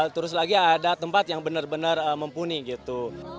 terus lagi ada tempat yang benar benar mumpuni gitu